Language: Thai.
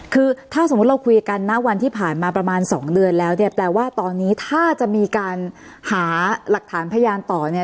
คือถ้าสมมุติเราคุยกันณวันที่ผ่านมาประมาณ๒เดือนแล้วเนี่ยแปลว่าตอนนี้ถ้าจะมีการหาหลักฐานพยานต่อเนี่ย